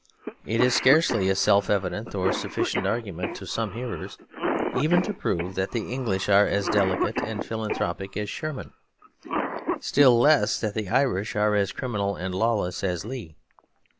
It is scarcely a self evident or sufficient argument, to some hearers, even to prove that the English are as delicate and philanthropic as Sherman, still less that the Irish are as criminal and lawless as Lee.